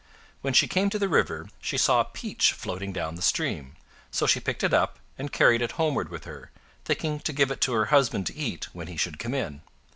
When she came to the river, she saw a peach floating down the stream; so she picked it up and carried it homeward with her, thinking to give it to her husband to eat when he should come in.